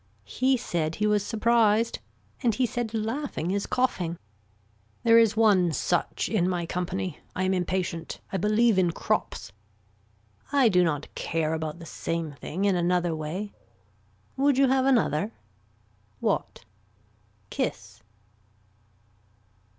He said he was surprised and he said laughing is coughing. There is one such in my company. I am impatient. I believe in crops. I do not care about the same thing in another way. Would you have another. What. Kiss.